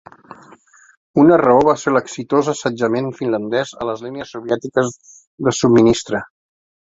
Una raó va ser l"exitós assetjament finlandès a les línies soviètiques de subministre.